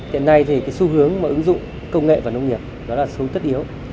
hiện nay thì cái xu hướng mà ứng dụng công nghệ và nông nghiệp đó là xu hướng tất yếu